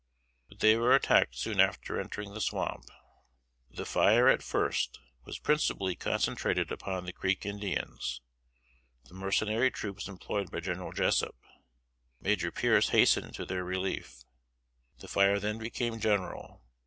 But they were attacked soon after entering the swamp. The fire at first was principally concentrated upon the Creek Indians, the mercenary troops employed by General Jessup. Major Pearce hastened to their relief. The fire then became general.